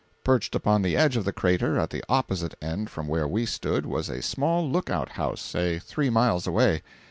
Perched upon the edge of the crater, at the opposite end from where we stood, was a small look out house—say three miles away.